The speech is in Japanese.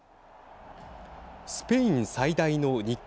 スペイン最大の日刊